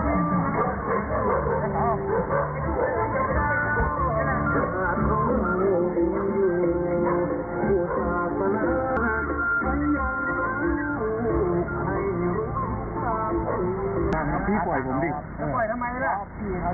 ผมกลับนเตียง